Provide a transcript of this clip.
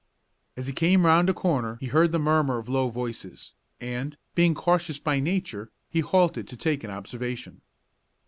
As he came around a corner he heard the murmur of low voices, and, being cautious by nature, he halted to take an observation.